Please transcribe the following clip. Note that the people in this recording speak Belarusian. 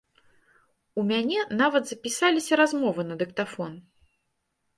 У мяне нават запісаліся размовы на дыктафон.